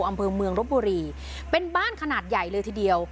อำเภอเมืองรบบุรีเป็นบ้านขนาดใหญ่เลยทีเดียว